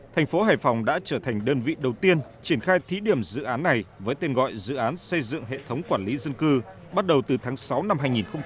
tuy nhiên triển khai thí điểm dự án này với tên gọi dự án xây dựng hệ thống quản lý dân cư bắt đầu từ tháng sáu năm hai nghìn một mươi ba